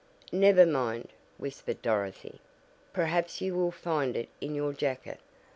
"Never mind," whispered Dorothy, "perhaps you will find it in your jacket.